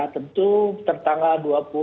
tentu tertanggal dua puluh